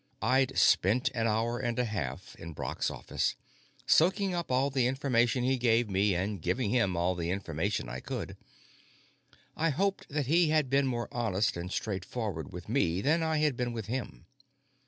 I'd spent an hour and a half in Brock's office, soaking up all the information he gave me and giving him all the information I could. I hoped that he had been more honest and straightforward with me than I had been with him.